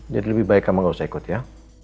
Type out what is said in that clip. jadi lebih baik kamu gak usah ikut ya